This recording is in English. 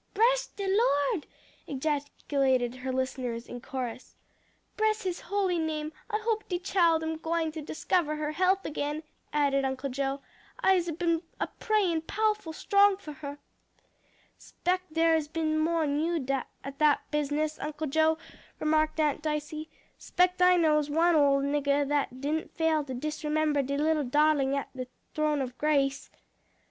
"Bress de Lord!" ejaculated her listeners in chorus. "Bress his holy name, I hope de chile am gwine to discover her health agin," added Uncle Joe. "I'se been a prayin' pow'ful strong for her." "'Spect der is been more'n you at dat business, Uncle Joe;" remarked Aunt Dicey, "'spect I knows one ole niggah dat didn't fail to disremember de little darlin' at de throne ob grace."